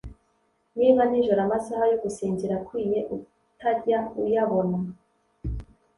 niba nijoro amasaha yo gusinzira akwiye utajya uyabona.